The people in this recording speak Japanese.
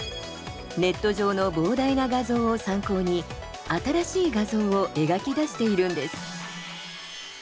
ネット上の膨大な画像を参考に新しい画像を描き出しているんです。